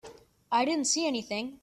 I didn't see anything.